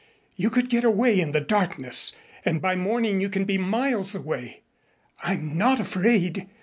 You could get away in the darkness and by morning you can be miles away. I'm not afraid.